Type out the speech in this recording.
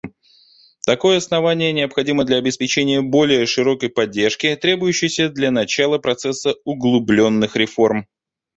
Такое основание необходимо для обеспечения более широкой поддержки, требующейся для начала процесса углубленных реформ.